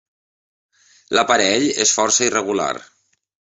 L'aparell és força irregular.